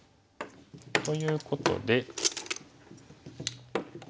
ということで。